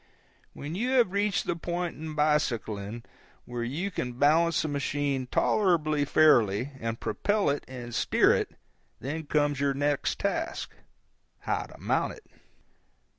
When you have reached the point in bicycling where you can balance the machine tolerably fairly and propel it and steer it, then comes your next task—how to mount it.